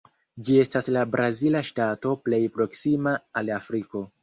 Ĝi estas la brazila ŝtato plej proksima al Afriko.